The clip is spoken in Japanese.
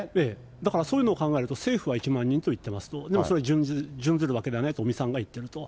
だからそういうのを考えると、政府は１万人と言ってますと、でもそれに準ずるだけだねと尾身さんが言ってると。